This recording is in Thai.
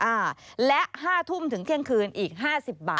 อ่าและ๕ทุ่มถึงเที่ยงคืนอีกห้าสิบบาท